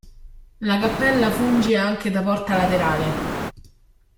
La cappella funge anche da porta laterale.